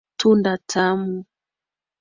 Tunda tamu.